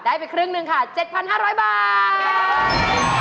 ไปครึ่งหนึ่งค่ะ๗๕๐๐บาท